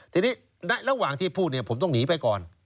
ทีนี้ระหว่างที่พูดผมต้องหนีไปก่อน